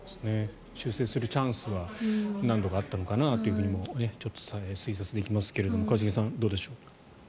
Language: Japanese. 修正するチャンスは何度かあったのかなともちょっと推察できますが一茂さん、どうでしょう？